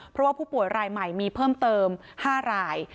เพราะว่าผู้ป่วยรายใหม่มีเพิ่มเติม๕ราย